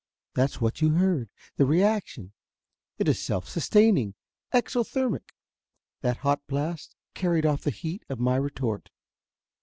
That's what you heard the reaction. It it self sustaining, exothermic. That hot blast carried off the heat of my retort."